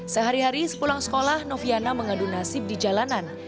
sehari hari sepulang sekolah noviana mengadu nasib di jalanan